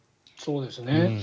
そうですね。